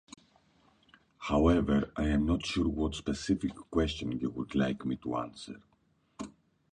However, I am not sure what specific question you would like me to answer.